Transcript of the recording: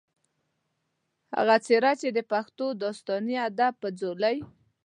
هغه څېره چې د پښتو داستاني ادب پۀ ځولۍ